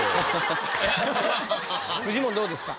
フジモンどうですか？